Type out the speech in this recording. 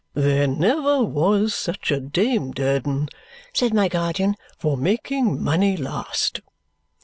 "There never was such a Dame Durden," said my guardian, "for making money last."